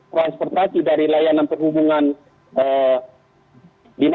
transportasi dari layanan perhubungan dinas perhubungan juga swasta itu diistirahatkan karena